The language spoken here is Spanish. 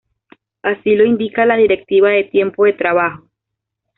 Así lo indica la Directiva de Tiempo de Trabajo.